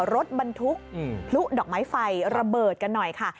รถบรรทุกพลุดอกไม้ไฟระเบิดกันหน่อยค่ะ